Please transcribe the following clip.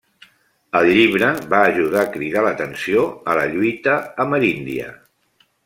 El llibre va ajudar a cridar l'atenció a la lluita ameríndia.